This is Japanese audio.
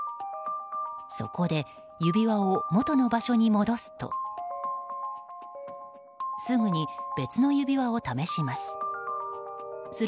そこで指輪をもとの場所に戻すとすぐに別の指輪を試します。